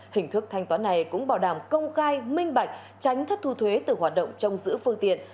hình thức thanh toán này cũng bảo đảm công khai minh bạch tránh thất thu thuế từ hoạt động trong giữ phương tiện